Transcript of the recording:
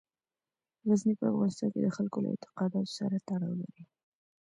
غزني په افغانستان کې د خلکو له اعتقاداتو سره تړاو لري.